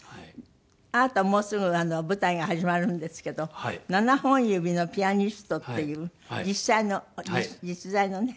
あなたもうすぐ舞台が始まるんですけど『７本指のピアニスト』っていう実際の実在のね？